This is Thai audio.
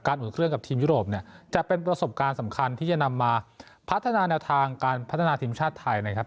อุ่นเครื่องกับทีมยุโรปเนี่ยจะเป็นประสบการณ์สำคัญที่จะนำมาพัฒนาแนวทางการพัฒนาทีมชาติไทยนะครับ